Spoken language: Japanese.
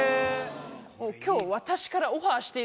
今日。